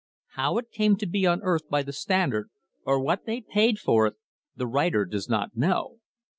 How it came to be unearthed by the Standard or what they paid for it, the writer does not know.